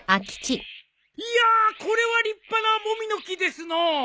いやこれは立派なモミの木ですのう。